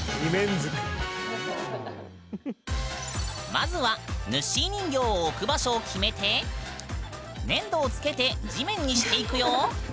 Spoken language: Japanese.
まずはぬっしー人形を置く場所を決めて粘土をつけて地面にしていくよ！